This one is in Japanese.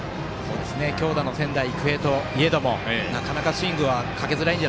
強打の仙台育英といえどなかなかスイングはできません。